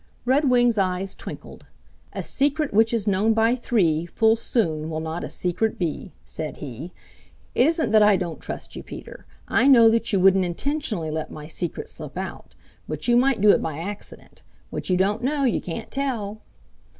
Redwing's eyes twinkled. "A secret which is known by three Full soon will not a secret be," said he. "It isn't that I don't trust you, Peter. I know that you wouldn't intentionally let my secret slip out. But you might do it by accident. What you don't know, you can't tell."